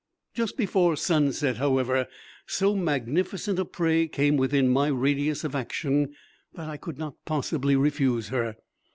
Just before sunset, however, so magnificent a prey came within my radius of action that I could not possibly refuse her.